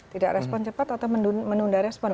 tidak respon cepat atau menunda respon